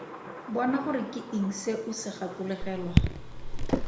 Bona gore ke eng se o se gakologelwang.